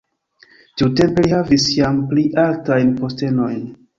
Tiutempe li havis jam pli altajn postenojn.